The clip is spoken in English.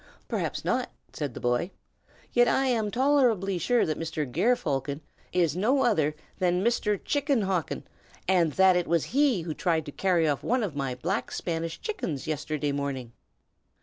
"Perhaps not!" said the boy. "And yet I am tolerably sure that Mr. Ger Falcon is no other than Mr. Chicken Hawkon, and that it was he who tried to carry off my Black Spanish chickens yesterday morning."